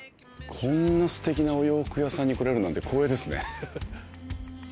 こんなステキなお洋服屋さんに来れるなんて光栄ですねエヘヘ。